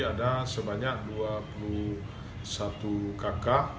ada sebanyak dua puluh satu kakak